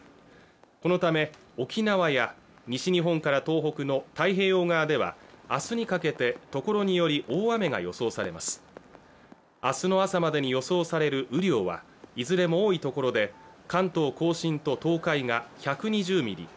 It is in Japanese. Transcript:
このため沖縄や西日本から東北の太平洋側ではあすにかけて所により大雨が予想されます明日の朝までに予想される雨量はいずれも多い所で関東甲信と東海が１２０ミリ